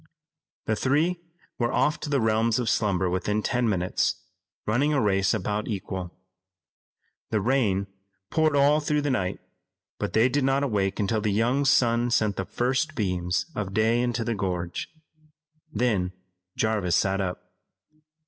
The three were off to the realms of slumber within ten minutes, running a race about equal. The rain poured all through the night, but they did not awake until the young sun sent the first beams of day into the gorge. Then Jarvis sat up.